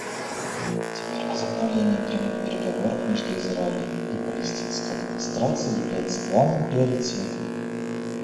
Теперь возобновление прямых переговоров между Израилем и Палестинской администрацией является главным приоритетом.